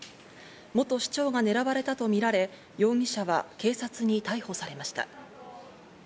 元市長が狙われたとみられ、容疑者は警察に逮捕されました。